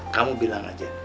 kamu bilang aja